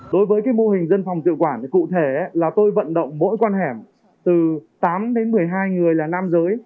đối với cái mô hình dân phòng tự quản thì cụ thể là tôi vận động mỗi con hẻm từ tám đến một mươi hai người là nam giới